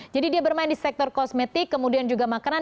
jadi dia bermain di sektor kosmetik kemudian juga makanan